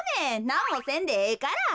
なんもせんでええから。